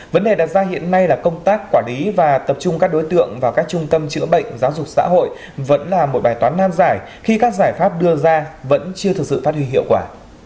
vấn đề đặt ra hiện nay là công tác quản lý và tập trung các đối tượng vào các trung tâm chữa bệnh giáo dục xã hội vẫn là một bài toán nan giải khi các giải pháp đưa ra vẫn chưa thực sự phát huy hiệu quả